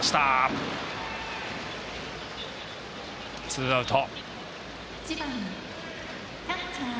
ツーアウト。